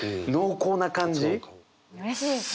うれしいですね。